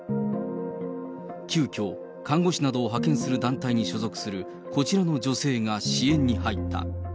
急きょ、看護師などを派遣する団体に所属するこちらの女性が支援に入った。